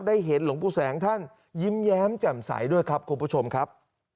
เห็นหลวงปู่แสงท่านยิ้มแย้มแจ่มใสด้วยครับคุณผู้ชมครับ